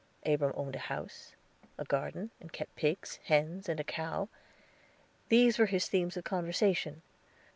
Abram owned a house, a garden, and kept pigs, hens, and a cow; these were his themes of conversation.